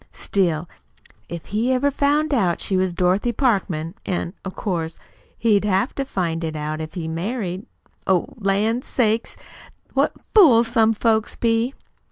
Still, if he ever found out she was Dorothy Parkman, an' of course he'd have to find it out if he married Oh, lan' sakes, what fools some folks be!"